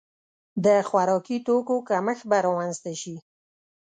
د خوراکي توکو کمښت به رامنځته شي.